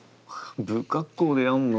不格好でやんの！